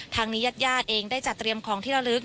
ทางนี้ญาติญาติเองได้จัดเตรียมของที่ระลึก